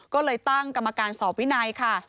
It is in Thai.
ก็เลยตั้งกรรมการสอบวินัยค่ะ